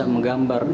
belum bisa menggambar